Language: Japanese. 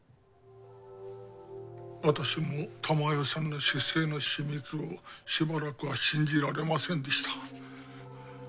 私も珠世さんの出生の秘密をしばらくは信じられませんでした。